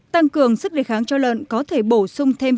tăng cường sức đề kháng cho lợn có thể bổ sung thêm